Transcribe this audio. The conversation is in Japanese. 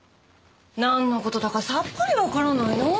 なんの事だかさっぱりわからないなぁ。